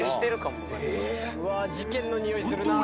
うわぁ事件のにおいするなぁ。